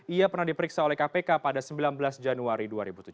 ia pernah diperiksa oleh kpk pada sembilan belas januari dua ribu tujuh belas